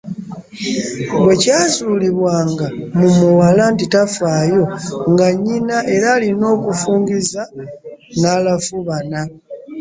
Bwe kyazuulibwanga mu muwala nti tafaayo, nga nnyina era alina okufungiza n’alafuubana.